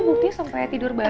buktinya sampai tidur bareng